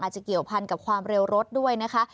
อาจจะเกี่ยวพันธุ์กับความเร็วรถด้วยนะคะ